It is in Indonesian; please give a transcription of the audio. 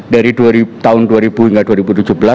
dari tahun dua ribu hingga dua ribu tujuh belas